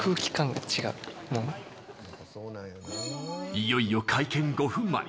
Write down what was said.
いよいよ会見５分前！